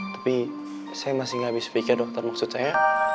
tapi saya masih gak habis pikir dokter maksud saya